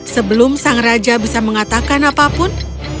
sebelum sang raja bisa mengatakan apapun